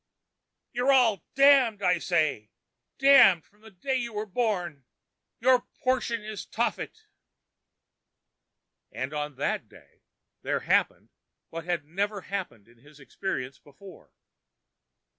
"Ye're all damned, I'm saying, damned from the day you were born. Your portion is Tophet." And on that day there happened what had never happened in his experience before.